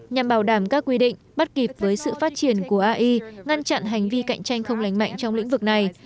nhằm bảo đảm các quy định bắt kịp với sự phát triển của ai ngăn chặn hành vi cạnh tranh không lành mạnh trong lĩnh vực này